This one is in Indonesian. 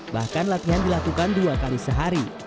bahkan latihan dilakukan dua kali sehari